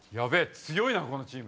強いなこのチーム。